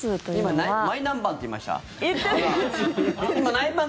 今マイナンバンって言いました？